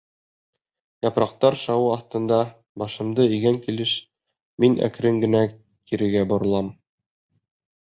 Япраҡтар шауы аҫтында, башымды эйгән килеш, мин әкрен генә кирегә боролам.